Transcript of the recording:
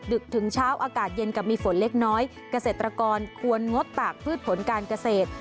ดึกถึงเช้าอากาศเย็นกับมีฝนเล็กน้อยเกษตรกรควรงดตากพืชผลการเกษตร